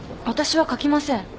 私は書きません